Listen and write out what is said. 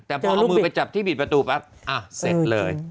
แต่พอเอามือไปจับที่บิดประตูปั๊บเสร็จเลย